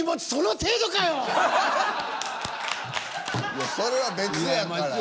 いやそれは別やからさ。